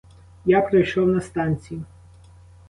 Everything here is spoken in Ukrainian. Я пройшов на станцію.